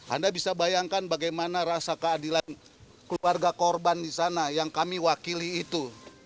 anda bisa bayangkan bagaimana rasa keadilan keluarga korban di sana yang kami wakili itu